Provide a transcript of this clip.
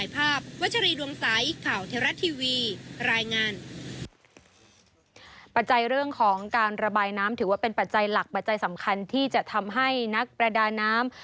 ปัจจัยเรื่องของการระบายน้ำถือว่าเป็นปัจจัยหลักปัจจัยสำคัญที่จะทำให้นักประดาน้ำ